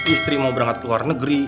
istri mau berangkat ke luar negeri